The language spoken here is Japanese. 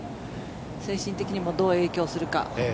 精神的にもどう影響するか。